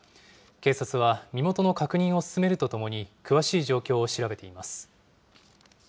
警察は、身元の確認を進めるとともに、詳しい状況を調べています。